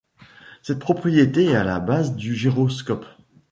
Cette propriété est à la base du gyroscope.